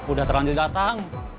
udah terlanjur datang